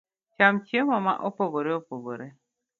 Cham chiemo ma opogore opogore